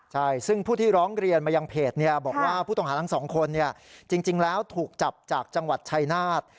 ใช่ซึ่งผู้ที่ร้องเรียนมายังเพจบอกว่าผู้ต้องหาทั้งสองคนจริงแล้วถูกจับจากจังหวัดชายนาฏ